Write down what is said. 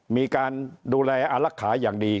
มีการดูแลอารักษาอย่างดี